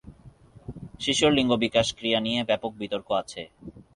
শিশুর লিঙ্গ বিকাশ ক্রিয়া নিয়ে ব্যাপক বিতর্ক আছে।